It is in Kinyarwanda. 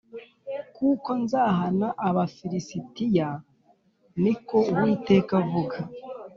kuko nzahana Abafi lisitiya ni ko uwiteka avuga